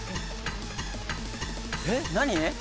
えっ⁉何？